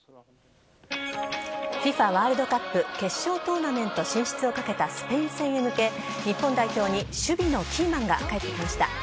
ワールドカップ決勝トーナメント進出を懸けたスペイン戦へ向け日本代表に守備のキーマンが帰ってきました。